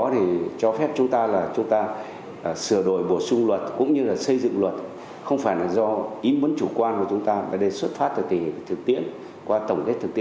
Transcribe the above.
thật sự trong sạch